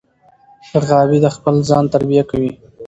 غابي د خپل ځان تربیه کوي.